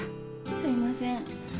すいません。